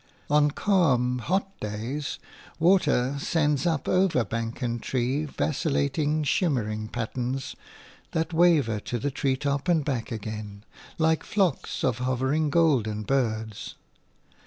On calm, hot days, water sends up over bank and tree vacillating, shimmering patterns that waver to the tree top and back again, like flocks of hovering golden birds.